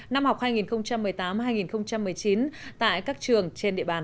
năm học hai nghìn một mươi tám hai nghìn một mươi chín tại các trường trên địa bàn